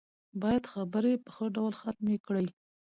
بايد خبرې په ښه ډول ختمې کړي.